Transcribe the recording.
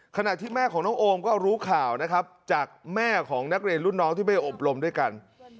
ขณะที่แม่ของน้องโอมก็รู้ข่าวนะครับจากแม่ของนักเรียนรุ่นน้องที่ไปอบรมด้วยกัน